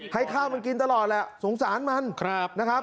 ให้ข้าวมันกินตลอดแหละสงสารมันนะครับ